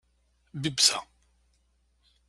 Bibb ta.